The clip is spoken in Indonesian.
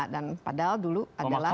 dan padahal dulu adalah